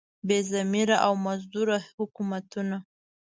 بې ضمیره او مزدور حکومتونه.